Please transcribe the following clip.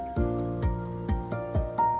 kita melakukan pemotongan makanan